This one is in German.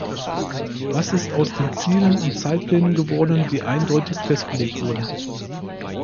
Was ist aus den Zielen und Zeitplänen geworden, die eindeutig festgelegt wurden?